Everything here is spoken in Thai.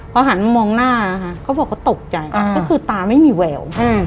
พอหันมามองหน้านะคะเขาบอกเขาตกใจก็คือตาไม่มีแวว